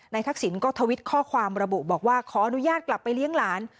ทักษิณก็ทวิตข้อความระบุบอกว่าขออนุญาตกลับไปเลี้ยงหลาน